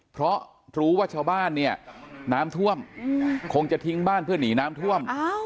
เพราะรู้ว่าชาวบ้านเนี่ยน้ำท่วมคงจะทิ้งบ้านเพื่อหนีน้ำท่วม